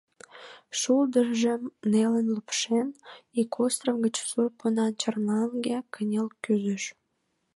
Шулдыржым нелын лупшен, ик остров гыч сур пунан чарлаҥге кынел кӱзыш.